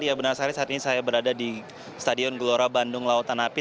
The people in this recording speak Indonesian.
ya benar sekali saat ini saya berada di stadion gbla bandung lautanapi